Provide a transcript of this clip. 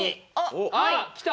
あっきた！